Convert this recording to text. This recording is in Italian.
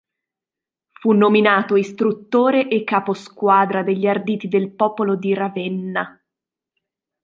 Fu nominato istruttore e capo squadra degli arditi del popolo di Ravenna.